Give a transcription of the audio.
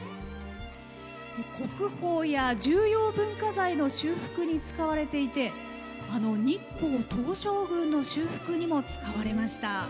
国宝や重要文化財の修復に使われていて、あの日光東照宮の修復にも使われました。